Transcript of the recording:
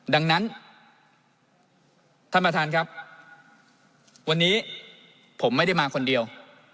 ดังนั้นท่านประธานครับวันนี้ผมไม่ได้มาคนเดียว